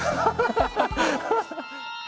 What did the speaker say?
ハハハハ！